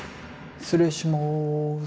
失礼します。